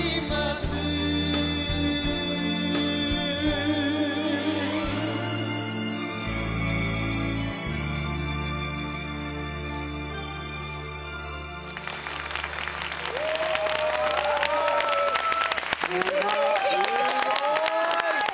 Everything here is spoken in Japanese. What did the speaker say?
すごい！